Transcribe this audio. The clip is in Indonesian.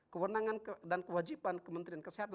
kewajiban kementerian kesehatan